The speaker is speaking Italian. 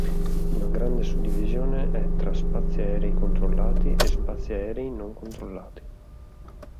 Una grande suddivisione è tra spazi aerei controllati e spazi aerei non controllati.